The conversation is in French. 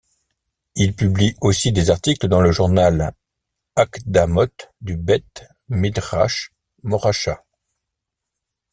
Il publie aussi des articles dans le journal Akdamot du Beth Midrash Moracha.